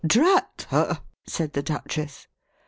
"Drat her!" said the Duchess.